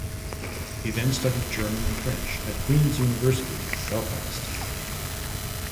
He then studied German and French at Queen's University, Belfast.